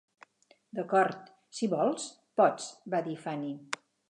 "D'acord, si vols, pots", va dir Fanny.